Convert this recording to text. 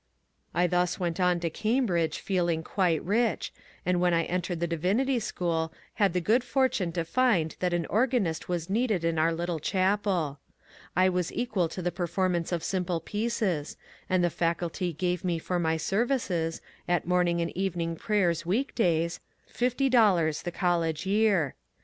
I thus went on to 134 MONCURE DANIEL CONWAY Cambridge feeling quite rich, and when I entered the Divin ity School had the good fortune to find that an organist was needed in our little chapeL I was equal to the performance of simple pieces, and the Faculty gave me for my services (at morning and evening prayers week days) fifty dollars the college year.